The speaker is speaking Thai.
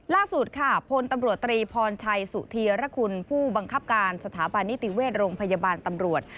ล่าสุดค่ะพลตำรวจตรีพรชัยสุธีรคุณผู้บังคับการสถาบันนิติเวชโรงพยาบาลตำรวจ